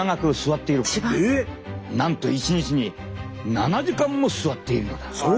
なんと１日に７時間も座っているのだ。